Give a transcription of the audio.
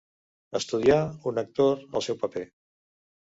Estudiar, un actor, el seu paper.